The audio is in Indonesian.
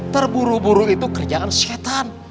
terburu buru itu kerjaan setan